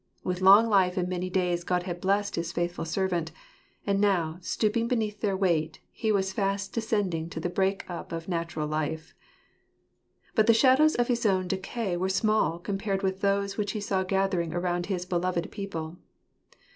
With long life and many days God had blessed his faithful servant. And now, stooping beneath their weight, he was fast descending to the break up of natural life. But the shadows of his own decay were small compared with those which he saw gathering around his beloved people.